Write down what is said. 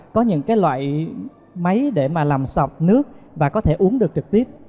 có những cái loại máy để mà làm sọc nước và có thể uống được trực tiếp